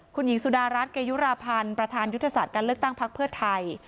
คุณหญิงสุดารัฐเกยุราพันธ์ประธานยุทธศาสตร์การเลือกตั้งพักเพื่อไทย